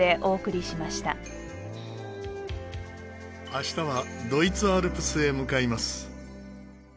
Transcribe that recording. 明日はドイツアルプスへ向かいます。